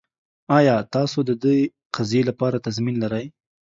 ایا تاسو د دې قضیې لپاره تضمین لرئ؟